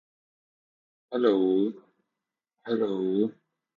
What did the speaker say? His assistant, Elizabeth Eades, took over the running of the company.